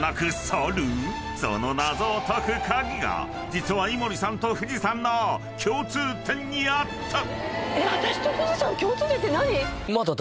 ［その謎を解く鍵が実は井森さんと富士山の共通点にあった！］